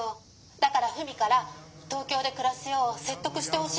だからフミから東京でくらすようせっとくしてほしいの。